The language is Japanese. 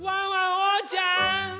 おうちゃん！